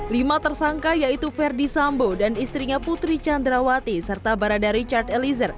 lima tersangka yaitu verdi sambo dan istrinya putri candrawati serta barada richard eliezer